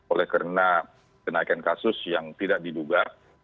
oleh karena kenaikan kasus yang tidak diduga